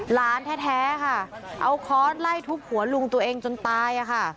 หลานแท้ค่ะเอาค้อนไล่ทุบหัวลุงตัวเองจนตาย